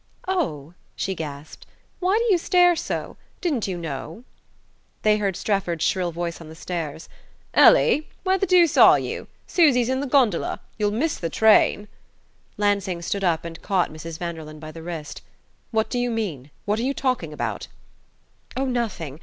"Oh," she gasped, "why do you stare so? Didn't you know...?" They heard Strefford's shrill voice on the stairs. "Ellie, where the deuce are you? Susy's in the gondola. You'll miss the train!" Lansing stood up and caught Mrs. Vanderlyn by the wrist. "What do you mean? What are you talking about?" "Oh, nothing...